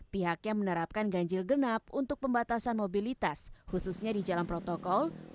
pihaknya menerapkan ganjil genap untuk pembatasan mobilitas khususnya di jalan protokol